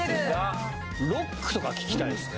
「ロック」とか聴きたいですね。